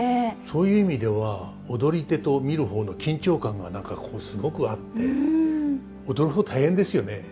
そういう意味では踊り手と見る方の緊張感が何かこうすごくあって踊る方大変ですよね。